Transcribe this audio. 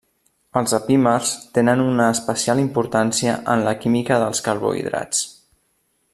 Els epímers tenen una especial importància en la química dels carbohidrats.